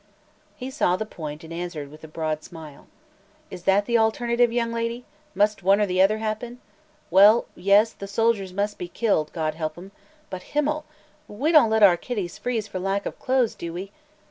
He saw the point and answered with a broad smile: "Is that the alternative, young lady? Must one or the other happen? Well yes; the soldiers must be killed, God help 'em! But himmel! We don't let our kiddies freeze for lack of clothes, do we?